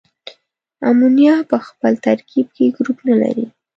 امونیا په خپل ترکیب کې ګروپ نلري.